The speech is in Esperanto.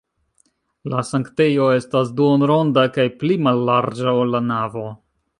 La sanktejo estas duonronda kaj pli mallarĝa, ol la navo.